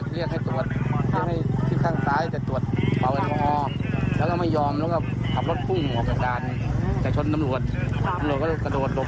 แล้วแห่งโค้งมาจากนู้นนะพอผมทำทะบใยฟล์อยู่ครับ